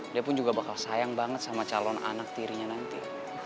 dia pun juga bakal sayang banget sama calon anak tirinya nanti